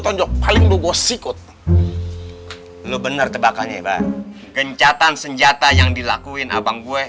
tolong paling lu gue sikut lu bener tebakannya ibar gencatan senjata yang dilakuin abang gue